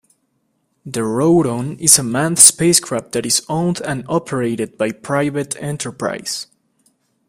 The Roton is a manned spacecraft that is owned and operated by private enterprise.